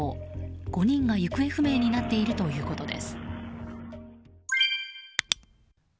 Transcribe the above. ５人が行方不明になっているということです。